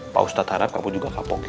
pak ustadz harap kamu juga kapok ya